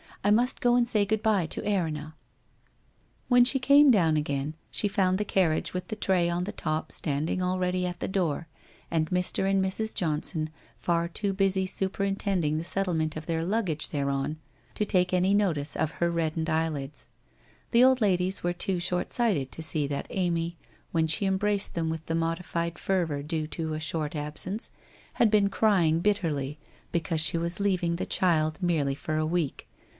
I must go and say good bye to Erinna.' When she came clown again she found the carriage with the tray on the top standing already at the door, and Mr. and Mrs. Johnson far too busy superintending the settle ment of their luggage thereon to take any notice of her reddened eyelids. The old ladies were too short sighted to see that Amy, when she embraced them with the modified fervour due to a short absence, had been crying bitterly because she was leaving the child merely for a week.